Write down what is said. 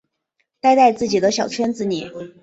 待在自己的小圈子里